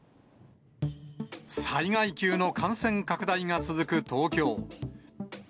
災害級の感染拡大が続く東京。